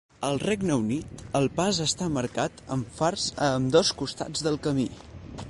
Al Regne Unit, el pas està marcat amb fars a ambdós costats del camí.